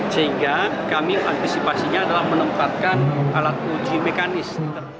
sehingga kami antisipasinya adalah menempatkan alat uji mekanis